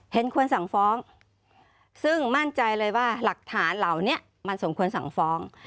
เห็นควรสั่งฟ้องซึ่งมั่นใจเลยว่าหลักฐานเหล่านี้มันสมควรสั่งฟ้อง